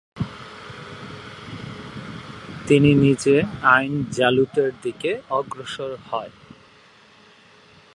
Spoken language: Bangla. তিনি নিজে আইন জালুতের দিকে অগ্রসর হয়।